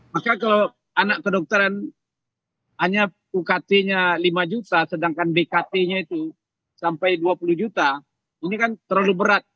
maka kalau anak kedokteran hanya ukt nya lima juta sedangkan bkt nya itu sampai dua puluh juta ini kan terlalu berat